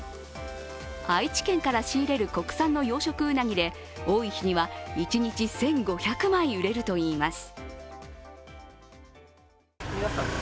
愛知県から仕入れる国産の養殖うなぎで多い日には一日１５００枚売れるといいます。